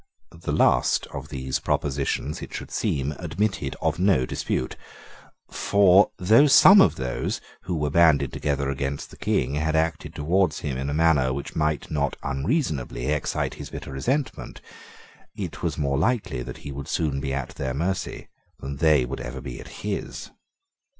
The last of these propositions, it should seem, admitted of no dispute. For, though some of those who were banded together against the King had acted towards him in a manner which might not unreasonably excite his bitter resentment, it was more likely that he would soon be at their mercy than that they would ever be at his.